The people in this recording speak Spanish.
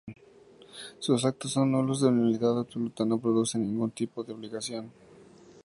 Sus actos son nulos de nulidad absoluta, no producen ningún tipo de obligación.